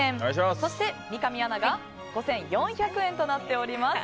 そして三上アナが５４００円となっております。